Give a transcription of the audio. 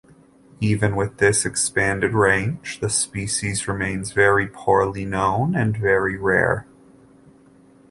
Even with this expanded range, the species remains very poorly known and very rare.